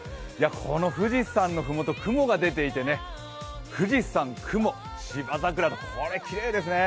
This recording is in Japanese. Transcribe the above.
この富士山の麓、雲が出ていて富士山、雲、芝桜と、これ、きれいですね。